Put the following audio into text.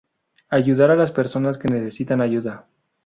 Ayudar a las personas que necesitan ayuda.